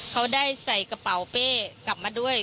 เขาได้ใส่กระเป๋าเป้กลับมาด้วย